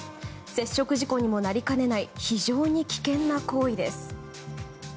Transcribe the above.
接触事故にもなりかねない非常に危険な行為です。